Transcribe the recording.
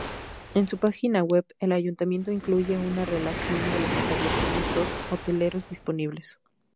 En su página web, el ayuntamiento incluye una relación de los establecimientos hoteleros disponibles.